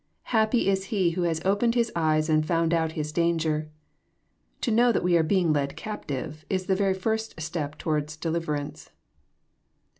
Happy is he who has opened. his eyes and found out his danger. To know that we ai*e being led captive, is the very first step toward deliverance.